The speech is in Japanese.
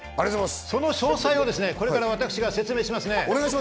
その詳細をこれから私が説明しますね。